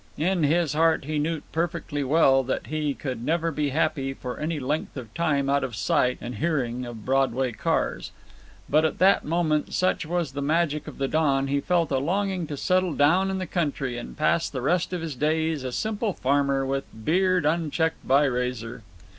In his heart he knew perfectly well that he could never be happy for any length of time out of sight and hearing of Broadway cars; but at that moment, such was the magic of the dawn, he felt a longing to settle down in the country and pass the rest of his days a simple farmer with beard unchecked by razor.